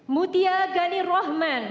mutia gani rahman